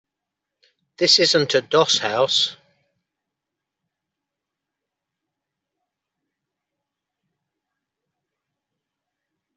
This isn't a doss house.